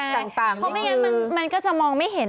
เพราะไม่งั้นมันก็จะมองไม่เห็น